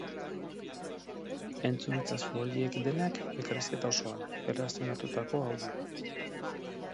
Entzun itzazu horiek denak elkarrizketa osoan, erlazionatutako audioan.